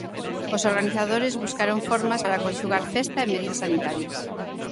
Os organizadores buscaron formas para conxugar festa e medidas sanitarias.